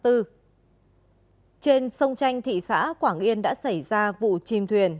trên sông chanh thị xã quảng yên đã xảy ra vụ chìm thuyền